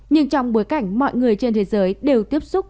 nhưng trong bối cảnh mọi người trên thế giới đều tiếp xúc